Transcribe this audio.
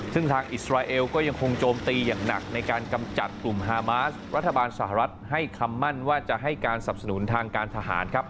ซึ่งทางอิสราเอลก็ยังคงโจมตีอย่างหนักในการกำจัดกลุ่มฮามาสรัฐบาลสหรัฐให้คำมั่นว่าจะให้การสับสนุนทางการทหารครับ